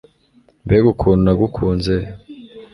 mbega ukuntu nagukunze